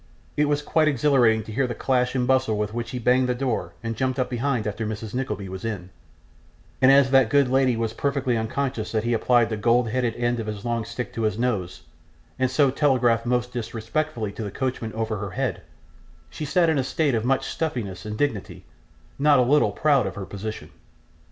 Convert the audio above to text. It was quite exhilarating to hear the clash and bustle with which he banged the door and jumped up behind after Mrs. Nickleby was in; and as that good lady was perfectly unconscious that he applied the gold headed end of his long stick to his nose, and so telegraphed most disrespectfully to the coachman over her very head, she sat in a state of much stiffness and dignity, not a little proud of her position.